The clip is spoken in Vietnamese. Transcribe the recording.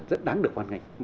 rất đáng được quan hệ